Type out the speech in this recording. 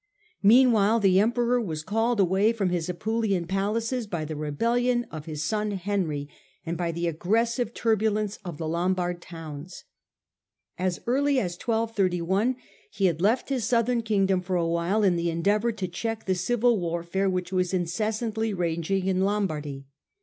Meanwhile the Emperor was called away from his Apulian palaces by the rebellion of his son Henry and by the aggressive turbulence of the Lombard towns. As early as 1231 he had left his Southern Kingdom for a while in the endeavour to check the civil warfare which was incessantly raging in Lombardy.